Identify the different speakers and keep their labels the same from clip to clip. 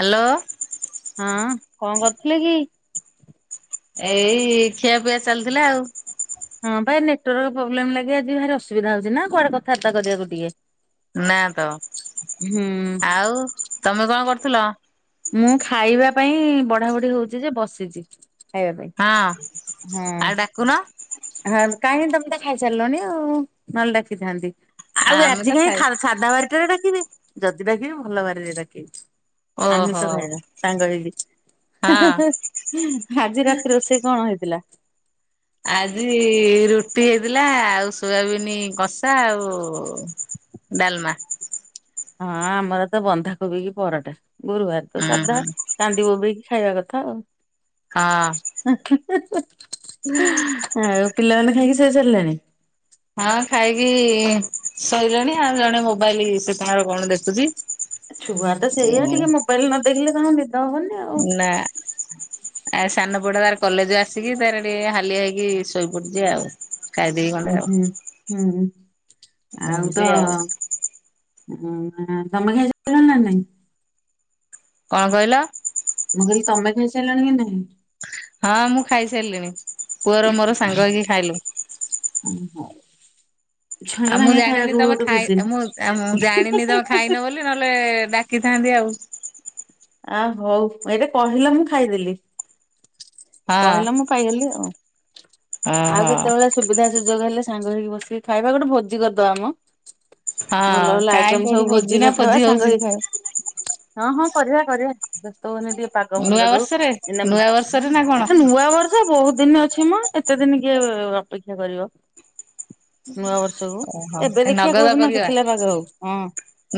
Speaker 1: Hello.
Speaker 2: ହଁ କଣ କରୁଥିଲେ କି?
Speaker 1: ଏଇ ଖିଆ ପିଆ ଚାଲିଥିଲା ଆଉ
Speaker 2: ହଁ ବା ନେଟୱାର୍କ ପ୍ରୋବ୍ଲେମ୍ ଲାଗି ଆଜି ଭାରି ଅସୁବିଧା ହଉଛି ନା କୁଆଡେ କଥାାବାର୍ତ୍ତୀ କରିବାକୁ ଟିକେ
Speaker 1: ନା ତ
Speaker 2: ହୁଁ
Speaker 1: ଆଉ ତମେ କଣ କରୁଥିଲ?
Speaker 2: ମୁଁ ଖାଇବା ପାଇଁ ବଢା ବଢି ହଉଛି ଯେ ବସିଛି ଖାଇବା ପାଇଁ।
Speaker 1: ହଁ
Speaker 2: ହଁ
Speaker 1: ଆଉ ଡାକୁନ?
Speaker 2: ହଁ କାହିଁକି ତମେ ତ ଖାଇ ସାରିଲଣି ନହେଲେ ଡାକିଥାନ୍ତି? ଆଉ
Speaker 1: ଆମେ
Speaker 2: ଆଜି
Speaker 1: ତ ଖାଇ
Speaker 2: କାହିଁ ସାଧା ବାରିଟାରେ ଡାକିବେ? ଯଦି ଡାକିବେ ଭଲ ବାରିରେ ଡାକିବେ।
Speaker 1: ଓହୋ
Speaker 2: ଆମିଷ ଖାଇବା ସାଙ୍ଗ ହେଇକି
Speaker 1: ହଁ
Speaker 2: ଆଜି ରାତି ରୋଷେଇ କଣ ହେଇଛି? ଥିଲା।
Speaker 1: ଆଜି ରୁଟି ହେଇଥିଲା ଆଉ ସୋୟାବିନ କଷା ଆଉ ଡାଲମା।
Speaker 2: ହଁ ଆମର ତ ବନ୍ଧାକୋବିକି ପରଟା ଗୁରୁବାର ତ
Speaker 1: ହୁଁ
Speaker 2: ସାଧା।
Speaker 1: ହୁଁ
Speaker 2: କାନ୍ଦିବୋବେଇକି ଖାଇବା କଥା ଆଉ
Speaker 1: ହଁ
Speaker 2: [unintelligible] ଆଁ ଆଉ ପିଲାମାନେ ଖାଇକି ଶୋଇସାରିଲାଣି?
Speaker 1: ହଁ ଖାଇକି ଶୋଇଲେଣି ଆ ଜଣେ ମୋବାଇଲ ସେ ତାର କଣ ଦେଖୁଛି।
Speaker 2: ଛୁଆ ତ ସେଇଆା ଟିକେ ମୋବାଇଲ ନ ଦେଖିଲେ ତାଙ୍କୁନିଦ ହବନି ଆଉ ଉଁ
Speaker 1: ନା। ଆଉ ସାନ ପୁଅଟା ତାର କଲେଜ ଆସିକି ତାର ଟିକେ ହାଲିଆ ହେଇକି ଶୋଇପଡିଛିିଆଉ।
Speaker 2: ହୁଁ ହୁଁ ହୁଁ ଆଉ ତ ହୁଁ ହା ତମେ ଖାଇ ସାଇଲଣି ନା ନାଇଁ
Speaker 1: କଣ କହିଲ।
Speaker 2: ମୁଁ କହିଲି ତମେ ଖାଇସାରିଲାଣି କି ନାହିଁ।
Speaker 1: ହଁ ମୁଁ ଖାଇସାରିଲିଣି ପୁଅର ମୋର ସାଙ୍ଗ ହେଇକି ଖାଇଲୁ
Speaker 2: ହଁ ହଉ।
Speaker 1: ଆଉ ମୁଁ ଜାଣିନି ତମେ ଖାଇ
Speaker 2: ନା।
Speaker 1: ମୁଁ ଜାଣିନି ତମେ ଖାଇନ ବୋଲି ନହେଲେ ଡାକିଥାନ୍ତି ଆଉ
Speaker 2: ଆ ହଉ ଆଇଡେ କହିଲା ମୁଁ ଖାଇଦେଲି
Speaker 1: ହଁ
Speaker 2: କହିଲା ମୁଁ ପାଇଦେଲି ଆଉ
Speaker 1: ଓହୋ
Speaker 2: ଆଉ କେତେବେଳେ ସୁବିଧା ସୁଯୋଗ ହେଲେ ସାଙ୍ଗ ହେଇକି ବସିକି ଖାଇବା ଗୋଟେ ଭୋଜି କରିଦବା ମ।
Speaker 1: ହଁ
Speaker 2: ଭଲ ଭଲ
Speaker 1: କାହିଁ
Speaker 2: ଆଇଟମ
Speaker 1: କୋଉଠି
Speaker 2: ସବୁ ଭୋଜି
Speaker 1: ନା
Speaker 2: କରିଦବା
Speaker 1: ଫୋଜି
Speaker 2: ସାଙ୍ଗ
Speaker 1: ହଉଛି
Speaker 2: ହୋଇକି ଖାଇବା। ହଁ ହଁ କରିବା କରିବା ବ୍ୟସ୍ତ ହୁଅନି ପାଗ
Speaker 1: ନୂଆ
Speaker 2: ଭଲ ଦଉ
Speaker 1: ବର୍ଷରେ
Speaker 2: ଆଇନା
Speaker 1: ନୂଆ ବର୍ଷରେ ନା କଣ
Speaker 2: ନୂଆ ବର୍ଷ ସେ ବହୁତ ଦିନ ଅଛି ମ ଏତେ ଦିନ କିଏ ଅପେକ୍ଷା କରିବ ନୂଆ ବର୍ଷକୁ
Speaker 1: ଓହୋ
Speaker 2: ଏବେ
Speaker 1: ଏ
Speaker 2: ଦେଖିବା
Speaker 1: ନଗଦ
Speaker 2: କେଉଦିନ
Speaker 1: କରିବା
Speaker 2: ଶୁଖିଲା ପାଗ ହଉ ହଁ।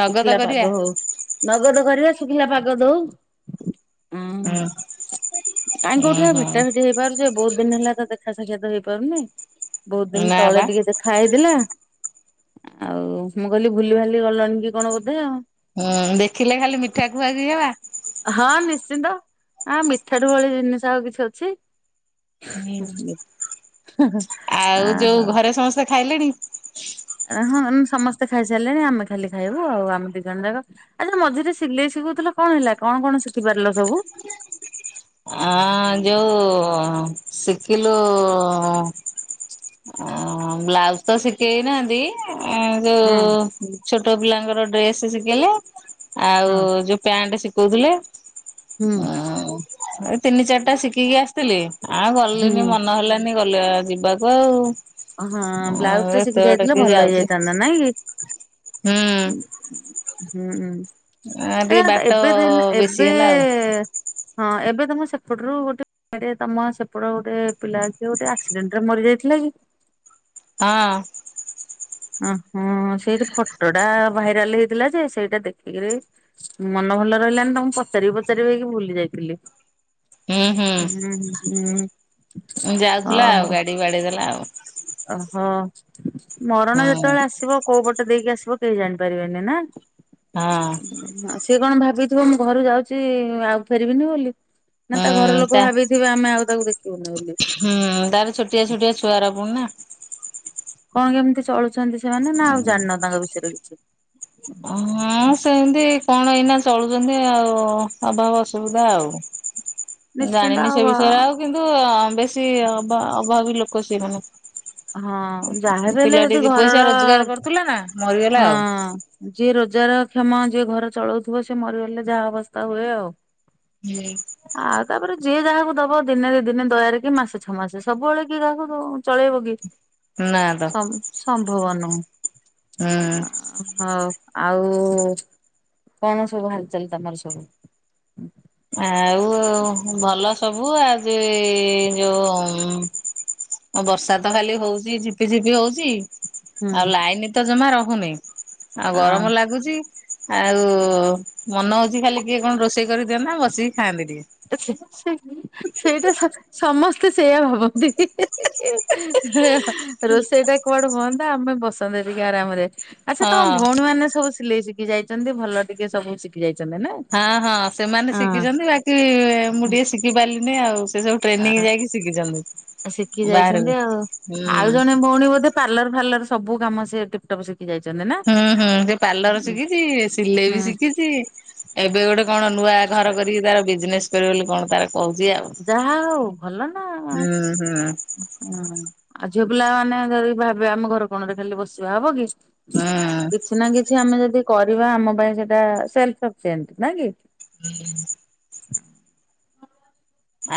Speaker 1: ନଗଦ
Speaker 2: ଶୁଖିଲା
Speaker 1: କରିବା
Speaker 2: ପାଗ ହଉ ନଗଦ କରିବା ଶୁଖିଲା ପାଗ ଦେଉ
Speaker 1: ହୁଁ
Speaker 2: ହଁ କାଇଁ
Speaker 1: ହୁଁ
Speaker 2: କୋଉଠି ଆଉ ଭେଟା
Speaker 1: ହୁଁ
Speaker 2: ଭୋଟି ହେଇପାରୁ ଯେ ବହୁତ ଦିନ ହେଲା ତ ଦେଖା ସାକ୍ଷାତ ହେଇପାରୁନି ବହୁତ ଦିନ
Speaker 1: ନା
Speaker 2: ତଳେ
Speaker 1: ବା
Speaker 2: ଟିକେ ଦେଖ ଖା ହେଇଥିଲା ଆଉ ମୁଁ କହିଲି ଭୁଲି ଭାଲି ଗଲାଣି କି କଣ ବୋଧେ ଆଉ
Speaker 1: ହୁଁ ଦେଖିଲେ ଖାଲି ମିଠା ଖୁଆଖୁଈହେବା।
Speaker 2: ହଁ ନିଶ୍ଚିନ୍ତ ଆ ମିଠାଠୁ ଭଳି ଜିନିଷ ଆଉ କିଛି ଅଛି।
Speaker 1: ହୁଁ
Speaker 2: ଆ
Speaker 1: ଆଉ ଯୋଉ
Speaker 2: ହଉ
Speaker 1: ଘରେ ସମସ୍ତେ ଖାଇଲେଣି।
Speaker 2: ହଁ ସମସ୍ତେ ଖାଇସାରିଲେଣି ଆମେ ଖାଲି ଖାଇବୁ ଆଉ ଆମ ଦି ଜଣ ଯାକ ଆରେ ମଝିରେ ସିଲେଇ ଶିଖୁଥିଲ କଣ ହେଲା କଣ କଣ ଶିଖି ପାରିଲ ସବୁ।
Speaker 1: ଆଁ ଯୋଉ ଶିକିଲୁ ଆଁ ବ୍ଲାଉଜ ତ ଶିଖିଯାଇଥାନ୍ତି ଆ ଯୋଉ
Speaker 2: ହୁଁ
Speaker 1: ଛୋଟ ପିଲାଙ୍କର ଡ୍ରେସ ଶିଖେଇଲେ ଆଉ
Speaker 2: ହଁ।
Speaker 1: ଯୋଉ ପ୍ୟାଣ୍ଟ ଶିଖଉଥିଲେ
Speaker 2: ହୁଁ।
Speaker 1: ଏଇ ତିନି ଚାରିଟା ଶିଖିକି ଆସିଥିଲି ଆଉ
Speaker 2: ହୁଁ
Speaker 1: ଗଲିଣିି ମନ ହେଲାନି। ଗଲେ ଯିବାକୁ ଆଉ।
Speaker 2: ହଁ
Speaker 1: ଆଉ
Speaker 2: ବ୍ଲାଉଜ ଟା ଶିଖି
Speaker 1: ଏତେ ବାଟ
Speaker 2: ଯାଇଥିଲେ
Speaker 1: କିଏ
Speaker 2: ଭଲ
Speaker 1: ଯାଉଛି
Speaker 2: ହେଇଯାଇଥାନ୍ତା ନାଇଁ କି
Speaker 1: ହୁଁ [unintelligible]
Speaker 2: ହୁଁ
Speaker 1: ଟିକେ ବାଟ
Speaker 2: ଏବେ ଦିନେ
Speaker 1: ବେଶୀ
Speaker 2: ଏବେ
Speaker 1: ହେଲା
Speaker 2: ହଁ ଏବେ ତମ ସେପଟରୁ ଗୋଟେ। ଏ ତମ ସେପଟ ଗୋଟେ ପିଲା ଅ ଗୋଟେ ଆକ୍ସିଡେଣ୍ଟ ରେ ମରି ଯାଇଥିଲା କି
Speaker 1: ହଁ।
Speaker 2: ଉଁ ହୁଁ ସେଇଠି ଫଟୋଟା ଭାଇରାଲ ହେଇଥିଲା ଯେ ସେଇଟା ଦେଖିକିରି। ମନ ଭଲ ରହିଲାନି ତ ମୁ ପଚାରି ପଚାରି ହେଇକି ଭୁଲି ଯାଇଥିଲି।
Speaker 1: ହଁ ହୁଁ ହୁଁ
Speaker 2: ହୁଁହୁଁହୁଁ ହ
Speaker 1: ଯାଉଥିଲା ଆଉ
Speaker 2: ହ।
Speaker 1: ଗାଡି ବାଡେଇ ଦେଲା ଆଉ
Speaker 2: ଓହୋ ମରଣ
Speaker 1: ହୁଁ
Speaker 2: ଯେତେବେଳେ ଆସିବ କୋଉ ପଟେ ଦେଇକି ଆସିବ କେହି ଜାଣିପାରିବେନି ନା?
Speaker 1: ଆ
Speaker 2: ହଁ ସିଏ କଣ ଭାବିଥିବ ମୁଁ ଘରୁ ଯାଉଚି ଆଉ ଫେରିବିନି ବୋଲି ନା ତା ଘର ଲୋକ ଭାବି ଥିବେ ଆମେ ଆଉ ତାକୁ ଦେଖିବୁନି ବୋଲି।
Speaker 1: ହୁଁ ତାର ଛୋଟିଆ ଛୋଟିଆ ଛୁଆଗୁରା ପୁଣି ନା।
Speaker 2: କଣ କେମିତି ଚଳୁଚନ୍ତି ସେମାନେ ନା ଆଉ ଜାଣିନ ତାଙ୍କ ବିଷୟରେ କିଛି?
Speaker 1: ହଁ ସେମିତି କଣ ଏଇନା ଚଳୁଚନ୍ତି ଆଉ ଅଭାବ ଅସୁବିଧା ଆଉ।
Speaker 2: ନିଶ୍ଚିନ୍ତ
Speaker 1: ଜାଣିନି
Speaker 2: ଆଉ
Speaker 1: ସେ ବିଷୟରେ ଆଉ କିନ୍ତୁ ବେଶୀ ଅଭା ଅଭାବୀ ଲୋକ ସେଇ ମାନେ
Speaker 2: ହଁ ଯାହାବି ହେଲେ ଯଦି
Speaker 1: ପିଲାଟି ଦି ପଇସା ରୋଜଗାର
Speaker 2: ଘରର
Speaker 1: କରୁଥିଲା ନା। ମରିଗଲା ଆଉ।
Speaker 2: ହଁ ଯିଏ ରୋଜଗାର କ୍ଷମ ଯିଏ ଘର ଚଳଉଥିବ ସିଏ ମରିଗଲେ ଯାହା ଅବସ୍ଥା ହୁଏ ଆଉ।
Speaker 1: ହୁଁ।
Speaker 2: ଆଉ ତାପରେ ଯିଏ ଯାହାକୁ ଦବ ଦିନେ ଦି ଦିନେ ଦୟାରେ କି ମାସେ ଛଅ ମାସେ ସବୁବେଳେ କିଏ କାହାକୁ ଦବ। ଚଳେଇବ କି
Speaker 1: ନା ତ
Speaker 2: ସମ୍ ସମ୍ଭବ ନୁହଁ।
Speaker 1: ହୁଁ
Speaker 2: ଓହୋ ଆଉ କଣ ସବୁ ହାଲ ଚାଲ ତମର ସବୁ?
Speaker 1: ଆଉ ଭଲ ସବୁ ଆଜି ଯୋଉ ଅ ବର୍ଷା ତ ଖାଲି ହଉଚି ଝିପି ଝିପି ହଉଚି।
Speaker 2: ହୁଁ
Speaker 1: ଆଉ ଲାଇନ୍ ତ ଜମା ରହୁନି, ଆଉ
Speaker 2: ଆ
Speaker 1: ଗରମ ଲାଗୁଚି। ଆଉ ମନ ହଉଚି ଖାଲି କିଏ କଣ ରୋଷେଇ କରି ଦିଅନ୍ତା ମୁଁ ବସିକି ଖାଆନ୍ତି ଟିକେ।
Speaker 2: [unintelligible] ସେଇଟା ସମସ୍ତେ ସେଇଆ ଭାବନ୍ତି। ରୋଷେଇ ଟା କୁଆଡୁ ହୁଅନ୍ତା ଆମେ ବସନ୍ତୁ ଟିକେ ଆରାମ ରେ ଆଚ୍ଛା
Speaker 1: ହଁ
Speaker 2: ତମ ଭଉଣୀ ମାନେ ସବୁ ସି ସିଲେଇ ଶିଖି ଯାଇଚନ୍ତି ଭଲ ଟିକେ ସବୁ ଶିଖି ଯାଇଚନ୍ତି ନା?
Speaker 1: ହଁ ହଁ ସେମାନେ
Speaker 2: ହଁ।
Speaker 1: ଶିଖିଚନ୍ତି ବାକି ମୁଁ ଟିକେ ଶିଖି ପାରିଲିନି ଆଉ ସେ ସବୁ।
Speaker 2: ଆ
Speaker 1: ଟ୍ରେନିଂ ଯାଇକି ଶିଖିଚନ୍ତି ବାହାରକୁ ହୁଁ।
Speaker 2: ତମ ଭଉଣୀ ବୋଧେ ପାର୍ଲର ଫାର୍ଲର ସବୁ କାମ [unintelligible] ସବୁ ଶିଖି ଯାଇଚନ୍ତି ନା?
Speaker 1: ହୁଁ ହୁଁ ସେ ପାର୍ଲର ଶିଖିଚି ସିଲେଇ ବି
Speaker 2: ହୁଁ
Speaker 1: ଶିଖିଚି। ଏବେ ଗୋଟେ କଣ ନୂଆ ଘର କରିକି ତାର ବିଜନେସ୍ କରିବ ବୋଲି କଣ ତାର କହୁଚି ଆଉ
Speaker 2: ଯାହା ହଉ ଭଲ ନା।
Speaker 1: ହୁଁ ହୁଁ।
Speaker 2: ହୁଁ ଆଉ ଝିଅ ପିଲାମାନେ ଯଦି ଭାବିବେ ଆମ ଘର କଣରେ ଖାଲି ବସିବା ହବ କି?
Speaker 1: ହୁଁ
Speaker 2: କିଛି ନା କିଛି ଆମେ ଯଦି କରିବା ଆମ ପାଇଁ ସେଟା ସେଲ୍ଫଇଫିସିଏଣ୍ଟ ନା କି?
Speaker 1: ହୁଁ।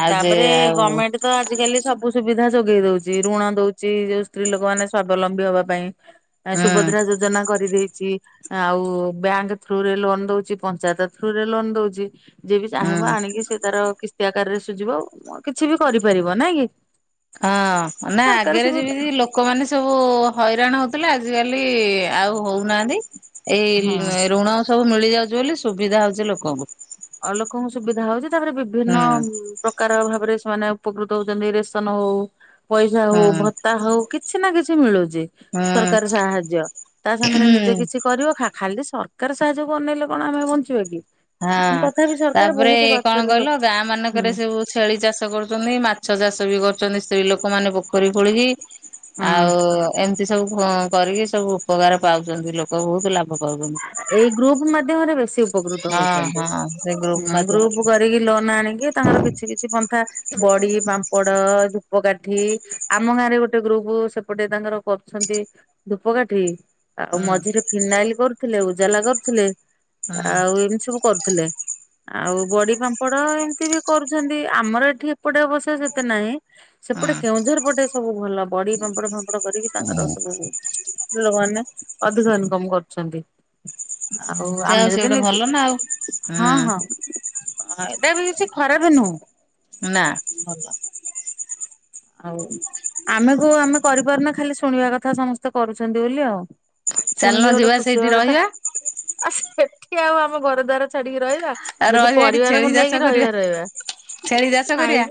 Speaker 1: ଆଉ ଯେ
Speaker 2: ତାପରେ
Speaker 1: ଆଉ
Speaker 2: ଗର୍ମେଣ୍ଟ ତ ଆଜିକାଲି ସବୁ ସୁବିଧା ଯୋଗେଇ ଦଉଚି ଋଣ ଦଉଚି ଯୋଉ ସ୍ତ୍ରୀ ଲୋକ ମାନେ ସ୍ଵାବଲମ୍ବୀ ହବା ପାଇଁ।
Speaker 1: ହଁ [inaudible]
Speaker 2: ଆ ସୁଭଦ୍ରା ଯୋଜନା କରିଦେଇଚି। ଆଉ ବ୍ୟାଙ୍କ ଥ୍ରୁରେ ଲୋନ୍ ଦଉଚି ପଞ୍ଚାୟତ ଥ୍ରୁରେ ଲୋନ୍ ଦଉଚି। ଯିଏ ବି ଯାହିଁବ
Speaker 1: ହୁଁ।
Speaker 2: ଆଣିକି ସିଏ ତାର କିସ୍ତି ଆକାରରେ ସୁଝିବ ଆଉ କିଛି ବି କରିପାରିବ ନାଇଁ କି
Speaker 1: ହଁ ନା
Speaker 2: ସରକାର
Speaker 1: ଆଗରେ ଯେମିତି
Speaker 2: ସୁବିଧା
Speaker 1: ଲୋକମାନେ ସବୁ ହଇରାଣ ହଉଥିଲେ ଆଜିକାଲି ଆଉ ହଉନାହାନ୍ତି।
Speaker 2: ହଁ
Speaker 1: ଏଇ ଋଣ ସବୁ ମିଳିଯାଉଚି ବୋଲି ସୁବିଧା ହଉଚି ଲୋକଙ୍କୁ।
Speaker 2: ଅ ଲୋକଙ୍କୁ ସୁବିଧା ହଉଚି ତାପରେ ବିଭିନ୍ନ
Speaker 1: ହୁଁ
Speaker 2: ପ୍ରକାର ଭାବରେ ସେମାନେ ଉପକୃତ ହଉଚନ୍ତି ରେସନ ହଉ ପଇସା ହଉ ଭ
Speaker 1: ହୁଁ
Speaker 2: ଭତା ହଉ କିଛି ନା କିଛି ମିଳୁଚି
Speaker 1: ହୁଁ
Speaker 2: ସରକାର ସାହାଯ୍ୟ। ତା ସାଙ୍ଗରେ ନିଜେ କିଛି କରିବ ଖା ଖାଲି ସରକାର ସାହାଯ୍ୟ କୁ ଅନେଇଲେ କଣ ଆମେ ବଞ୍ଚିବା କି।
Speaker 1: ହଁ
Speaker 2: ତଥାପି ସରକାର
Speaker 1: ତାପରେ
Speaker 2: ବହୁତ
Speaker 1: କଣ
Speaker 2: ପାଖରେ ଲୋକ
Speaker 1: କହିଲ ଗାଁ
Speaker 2: ହୁଁ
Speaker 1: ମାନଙ୍କରେ ସବୁ ଛେଳି ଚାଷ କରୁଚନ୍ତି ମାଛ ଚାଷ ବି କରୁଛନ୍ତି ସ୍ତ୍ରୀ ଲୋକମାନେ ପୋଖରୀ ଖୋଳିକି। ଆଉ ଏମିତି ସବୁ କରିକି ସବୁ ଉପକାର ପାଉଛନ୍ତି ଲୋକ ବହୁତ ଲାଭ ପାଉଚନ୍ତି।
Speaker 2: ଏଇ ଗ୍ରୁପ ମାଧ୍ୟ୍ୟମରେ ବେଶୀ ଉପକୃତ
Speaker 1: ହଁ
Speaker 2: ହଉଛନ୍ତି
Speaker 1: ହଁ ସେ ଗ୍ରୁପ ମାଧ୍ୟମରେ
Speaker 2: ଗ୍ରୁପ କରିକି ଲୋନ ଆଣିକି ତାଙ୍କର କିଛି କିଛି ପନ୍ଥା ବଡି଼ ପାମ୍ପଡ଼ ଧୂପକାଠି। ଆମ ଗାଁ ରେ ଗୋଟେ ଗ୍ରୁପ ସେପଟେ ତାଙ୍କର କରୁଛନ୍ତି ଧୂପକାଠି ଆଉ
Speaker 1: ହୁଁ
Speaker 2: ମଝିରେ ଫିନାଇଲ କରୁଥିଲେ ଉଜାଲା କରୁଥିଲେ ଆଉ ଏମିତି ସବୁ କରୁଥିଲେ। ଆଉ ବଡି ପାମ୍ପଡ ଏମିତି ବି କରୁଛନ୍ତି ଆମର ଏଠି ଏପଟେ ଅବଶ୍ୟ ସେତେ ନାହିଁ।
Speaker 1: ହୁଁ
Speaker 2: ସେପଟେ କେଉଁଝର ପଟେ ସବୁ ଭଲ ବଡି ପାମ୍ପଡ଼ ଫାମ୍ପଡ କରିକି ତାଙ୍କର
Speaker 1: ହୁଁ।
Speaker 2: ସବୁ ଲୋକମାନେ ଅଧିକ ଇନକମ କରୁଛନ୍ତି। ଆଉ
Speaker 1: ଯାହା ହଉ
Speaker 2: ଆମେ
Speaker 1: ସେ
Speaker 2: ଯଦି
Speaker 1: ଗୋଟେ
Speaker 2: ନୀଜେ
Speaker 1: ଭଲ ନା ଆଉ
Speaker 2: ହଁ ହଁ‌। ହଁ ଏଟା ବି କିଛି ଖରାପ ନୋହୁଁ।
Speaker 1: ନାଁ।
Speaker 2: ଆଉ ଆମେ ଆମକୁ କରିପାରୁନା ଖାଲି ଶୁଣିବା କଥା ସମସ୍ତେ କରୁଛନ୍ତି ବୋଲି ଆଉ
Speaker 1: ଚାଲୁନ
Speaker 2: ଶୁଣିକି ଗୋଟେ
Speaker 1: ଯିବା
Speaker 2: ଖୁସି
Speaker 1: ସେଇଠି
Speaker 2: ହବା କଥା
Speaker 1: ରହିବା
Speaker 2: ଆଉ ସେଠି ଆଉ ଆମ ଘରଦ୍ଵାର ଛାଡିକି ରହି
Speaker 1: ଆଉ
Speaker 2: ଯଦି
Speaker 1: ରହିବା ଏଠି
Speaker 2: ପରିବାରଙ୍କୁ
Speaker 1: ଛେଳି ଚାଷ
Speaker 2: ନେଇକି
Speaker 1: କରିବା
Speaker 2: ରହିବା ରହିବା।
Speaker 1: ଛେଳି ଚାଷ କରିବା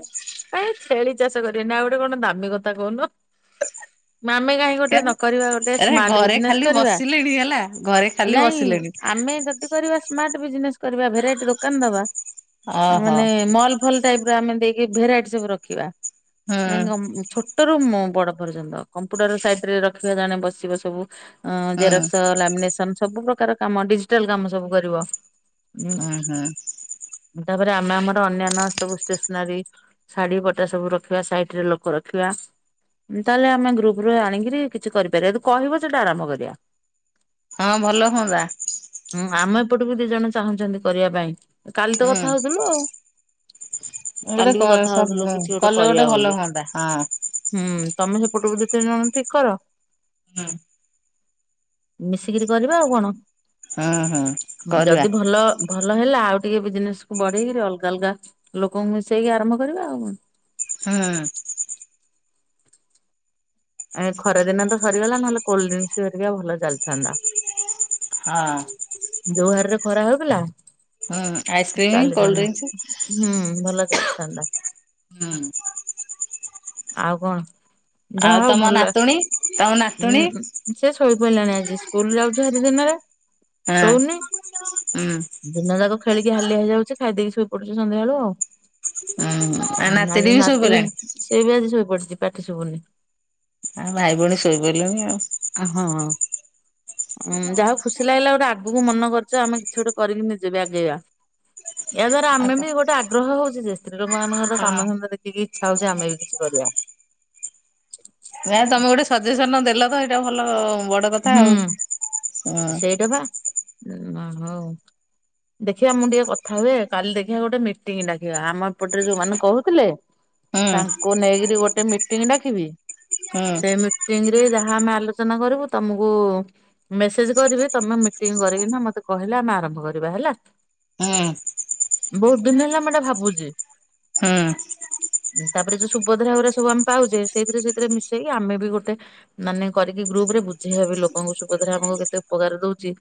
Speaker 2: ଏ ଛେଳି ଚାଷ କରିବେ ନା ଗୋଟେ କଣ ଦାମୀ କଥା କହୁନ ମାମେ କାହିଁକି ଯଦି ଗୋଟେ ନ
Speaker 1: କେଆଣି।
Speaker 2: କରିବା ଗୋଟେ
Speaker 1: ଆରେ
Speaker 2: ସ୍ମାର୍ଟ
Speaker 1: ଘରେ
Speaker 2: ବିଜନେସ୍
Speaker 1: ଖାଲି
Speaker 2: କରିବା
Speaker 1: ବସିଲେଣି ହେଲା ଘରେ ଖାଲି
Speaker 2: ନାଇଁ
Speaker 1: ବସିଲେଣି
Speaker 2: ଆମେ ଯଦି କରିବା ସ୍ମାର୍ଟ ବିଜିନେସ୍ କରିବା ଭେରାଇଟି ଦୋକାନ ଦବା
Speaker 1: ଓହୋ
Speaker 2: ମାନେ ମଲ ଭଲ ଟାଇପର ଆମେ ଦେଇକି ଭେରାଇଟି ସବୁ ରଖିବା।
Speaker 1: ହୁଁ
Speaker 2: [unintelligible] ଛୋଟରୁ ମ ବଡ ପର୍ଯ୍ୟନ୍ତ କମ୍ପୁଟର ସାଇଟରେ ରଖିବେ ଜଣେ ବସିବ ସବୁ ଅଁ
Speaker 1: ହୁଁ
Speaker 2: ଜେରକ୍ସ ଲାମିନେସନ ସବୁ ପ୍ରକାର କାମ ଡିଜିଟାଲ କାମ ସବୁ କରିବ। ମୁଁ
Speaker 1: ହୁଁ ହୁଁ
Speaker 2: ତାପରେ ଆମେ ଆମର ଅନ୍ୟାନ୍ୟ ସବୁ ଷ୍ଟେସନାରୀ ଶାଢୀ ପଟା ସବୁ ରଖିବା ସାଇ [unintelligible] ଲୋକ ରଖିବା। ତାହେଲେ ଆମେ ଗ୍ରୁପରୁ ଆଣିକିରି କିଛି କରିପାରିବା ଜଦି କହିବ ସେଇଟା ଆରମ୍ଭ କରିବା।
Speaker 1: ହଁ ଭଲ ହୁଅନ୍ତା।
Speaker 2: ହୁଁ ଆମ ଏପଟକୁ ଦି ଜଣ ଚାହୁଁଛନ୍ତି କରିବା ପାଇଁ। କାଲି ତ
Speaker 1: ହୁଁ
Speaker 2: କଥା ହଉଥିଲୁ ଆଉ।
Speaker 1: ଗୋଟେ
Speaker 2: କାଲି ବି କଥା ହଉଥିଲୁ କିଛି ଗୋଟେ
Speaker 1: କଲେ
Speaker 2: କରିବା
Speaker 1: ଭଲ
Speaker 2: ବୋଲି।
Speaker 1: ହୁଅନ୍ତା ହଁ
Speaker 2: ହୁଁ ତମେ ସେପଟରୁ ଦି ତିନି ଜଣ ଠିକ୍ କର।
Speaker 1: ହୁଁ।
Speaker 2: ମିଶିକିରି କରିବା ଆଉ କଣ
Speaker 1: ହୁଁ କରିବା
Speaker 2: ଯଦି ଭଲ ଭଲ ହେଲା ଆଉ ଟିକେ ବିଜିନେସ୍ କୁ ବଢେଇକିରି ଅଲଗା ଅଲଗା ଲୋକଙ୍କୁ ମିଶେଇକି ଆରମ୍ଭ କରିବା ଆଉ କଣ।
Speaker 1: ହାଁ।
Speaker 2: ଏ ଖରା ଦିନ ତ ସରିଗଲା ନହେଲେ କୋଲିଡ୍ରିଙ୍ଗସ୍ ହରିକା ଭଲ ଚାଲିଥାନ୍ତା।
Speaker 1: ହାଁ।
Speaker 2: ଯୋଉ ହାରିରେ ଖରା ହଉଥିଲା
Speaker 1: ହୁଁ ଆଇସ୍କ୍ରିମ କୋଲ୍ଡ
Speaker 2: ଚାଲିଥାନ୍ତା
Speaker 1: ଡ୍ରିଙ୍କସ
Speaker 2: ହୁଁ ଭଲ ଚାଲିଥାନ୍ତା।
Speaker 1: ହୁଁ।
Speaker 2: ଆଉ କଣ
Speaker 1: ଆଉ
Speaker 2: ଯାହା ହଉ
Speaker 1: ତମ
Speaker 2: ଭଲ
Speaker 1: ନାତୁଣୀ ତମ
Speaker 2: ହୁଁ।
Speaker 1: ନାତୁଣୀ
Speaker 2: ସେ ଶୋଇ ପଇଲାଣି ଆଜି ସ୍କୁଲ ଯାଉଛି ହାରି ଦିନରେ
Speaker 1: ହଁ
Speaker 2: ଶୋଉନି।
Speaker 1: ହୁଁ
Speaker 2: ଦିନ ଯାକ ଖେଳି କି ହାଲିଆ ହେଇଯାଉଛି ଖାଇ ଦେଇକି ଶୋଇ ପଡୁଛି ସଂଧ୍ୟାଏଳୁ ଆଉ।
Speaker 1: ହୁଁ ଆ ନାତିଟି
Speaker 2: ଆଜି
Speaker 1: ବି
Speaker 2: ନାତିବି
Speaker 1: ଶୋଇପଇଲାଣି
Speaker 2: ସେବି ଆଜି ସୋଇପଡ଼ିଚି ପାଟି ଶୁବୁନି।
Speaker 1: ଆଉ ଭାଇ ଭଉଣୀ ଶୋଇପଡ଼ିଲେଣି ଆଉ।
Speaker 2: ହଁ ଉଁ ଯାହା ହଉ ଖୁସି ଲାଗିଲା ଗୋଟେ ଆ ଆଗକୁ ମନ କରିଚ ଆମେ କିଛି ଗୋଟେ କରିକି ନିଜେବି ଆଗେଇବା ଏୟା ଦ୍ଵାରା
Speaker 1: ଆଉ କ
Speaker 2: ଆମେବି ଗୋଟେ ଆ ଆଗ୍ରହ ହଉଚିଯେ ସ୍ତ୍ରୀ ଲୋକମାନଙ୍କର
Speaker 1: ହଁ।
Speaker 2: କାମଧନ୍ଦା ଦେଖିକି ଇଚ୍ଛା ହଉଚି ଆମେବି କିଛି କରିବା।
Speaker 1: ନାଇଁ ତମେ ଗୋଟେ ସଜେସନ୍ ଦେଲତ ଏଇଟା ଭଲ ବଡ଼
Speaker 2: ହୁଁ ଆ ସେଇଟାବା ଉ ହଉ। ଦେଖିବା ମୁଁ ଟିକେ କଥା ହୁଏ କାଲି ଦେଖିବା ଗୋଟେ ମିଟିଂ ଡାକିବା ଆମ ଏପଟରେ ଯୋଉମାନେ କହୁଥିଲେ
Speaker 1: ହୁଁ
Speaker 2: ତାଙ୍କୁ ନେଇକିରି ଗୋଟେ ମିଟିଂ ଡାକିବି
Speaker 1: ହୁଁ
Speaker 2: ସେଇ ମି ଟିଙ୍ଗରେ ଯାହା ଆମେ ଆଲୋଚନା କରିବୁ ତମକୁ ମେସେଜ କରିବି ତମେ ମିଟିଂ କରିକିନା ମତେ କହିଲେ ଆମେ ଆରମ୍ଭ କରିବା ହେଲା।
Speaker 1: ହୁଁ।
Speaker 2: ବହୁତ୍ ଦିନ ହେଲା ମୁଁ ଏଟା ଭାବୁଚି।
Speaker 1: ହୁଁ।
Speaker 2: ତାପରେ ଯୋଉ ସୁଭଦ୍ରା ଅରା ସବୁ ଆମେ ପାଉଚେ ସେଇଥିରେ ସେଇଥିରେ ମିଶେଇକି ଆମେବି ଗୋଟେ ମାନେ କରିକି ଗ୍ରୁପରେ ବୁଝେଇବାବି ଲୋକଙ୍କୁ ସୁଭଦ୍ରା ଆମକୁ କେତେ ଉପକାର ଦଉଚି।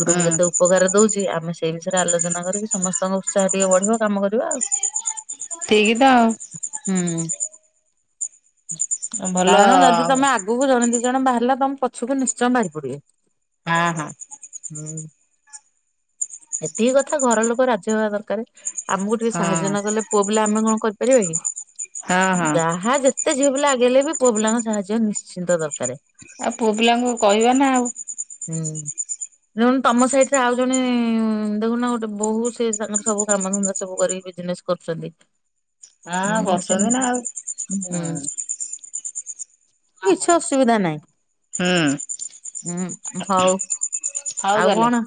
Speaker 2: ଗ୍ରୁପ୍
Speaker 1: ହୁଁ
Speaker 2: କେତେ ଉପକାର ଦଉଚି ଆମେ ସେଇ ବିଷୟରେ ଆଲୋଚନା କରିକି ସମସ୍ତଙ୍କ ଉତ୍ସାହ ଟିକେ ବଢିବା କାମ କରିବା ଆଉ।
Speaker 1: ଠିକିତ ଆଉ।
Speaker 2: ହୁଁ।
Speaker 1: ଭଲ
Speaker 2: କାରଣ ଯଦି
Speaker 1: ହଁ
Speaker 2: ତମେ ଆଗକୁ ଜଣେ ଦି ଜଣ ବାହାରିଲା ତମେ ପଛକୁ ନିଶ୍ଚୟ ବାହାରି ପଡ଼ିବେ।
Speaker 1: ହଁ ହଁ।
Speaker 2: ହୁଁ ଏତିକି କଥା ଘର ଲୋକ ରାଜି ହବା ଦରକାରେ। ଆମକୁ ଟିକେ ସାହାଯ୍ୟ
Speaker 1: ହଁ
Speaker 2: ନକଲେ ପୁଅ ପିଲା ଆମେ କଣ କରିପାରିବାକି
Speaker 1: ହଁ।
Speaker 2: ଯାହା ଯେ ଏତେ ଝିଅପିଲା ଆଗଲେବି ପୁଅପିଲାଙ୍କ ସାହାଯ୍ୟ ନିଶ୍ଚିନ୍ତ ଦରକାରେ।
Speaker 1: ଆଉ ପୁଅପିଲାଙ୍କୁ କଇଁବାନା ଆଉ।
Speaker 2: ହୁଁ। ଦେଖୁନୁ ତମ ସହିତ ଆଉ ଜଣେ ଦେଖୁନ ଗୋଟେ ବୋହୁ ସେସାଙ୍ଗର ସବୁ କାମଧନ୍ଦା ସବୁ କରିକି ବିଜନେସ୍ କରୁଚନ୍ତି।
Speaker 1: ହଁ କରୁଚନ୍ତିନା ଆଉ
Speaker 2: ହୁଁ
Speaker 1: ହଁ।
Speaker 2: କିଛି ଅସୁବିଧା
Speaker 1: ହୁଁ
Speaker 2: ନାହିଁ ହୁଁ ହଉ
Speaker 1: ହଉ
Speaker 2: ଆଉ
Speaker 1: ତାହେଲେ
Speaker 2: କଣ?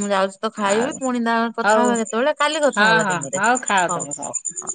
Speaker 2: ମୁଁ ଯାଉଚିତ ଖାଇବି
Speaker 1: ଆଉ
Speaker 2: ପୁଣି ତା କଥା ହବା କେତେବେଳେ କାଲି କଥା ହବା ଦେ
Speaker 1: ହ ଯୋଉ ଖାଅ ତମେ ହୋଉ।